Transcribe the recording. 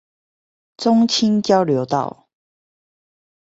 中清交流道